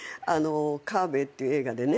『母べえ』っていう映画でね